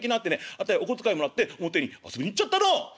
あたいお小遣いもらって表に遊びに行っちゃったの」。